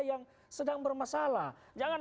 yang sedang bermasalah jangan